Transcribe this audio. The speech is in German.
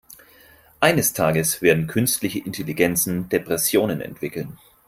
Eines Tages werden künstliche Intelligenzen Depressionen entwickeln.